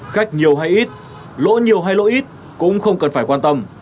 khách nhiều hay ít lỗ nhiều hay lỗi ít cũng không cần phải quan tâm